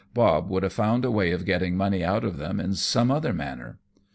Bob would have found a wajr of getting money out of them in some other manner."